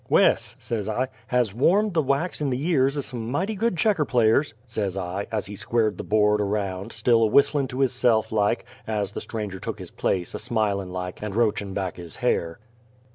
"Wes," says I, "has warmed the wax in the yeers of some mighty good checker players," says I, as he squared the board around, still a whistlin' to hisse'f like, as the stranger tuk his place, a smilin' like and roachin' back his hair.